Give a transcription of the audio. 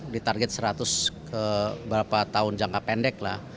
di target seratus ke beberapa tahun jangka pendek